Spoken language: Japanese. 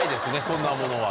そんなものは。